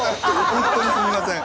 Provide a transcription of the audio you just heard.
本当にすみません。